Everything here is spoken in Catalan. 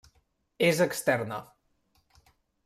És externa.